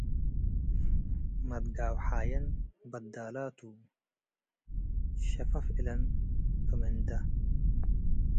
መትጋውሓየን በ’ዳላቱ - ሸፍፍ እለን ክም እንደ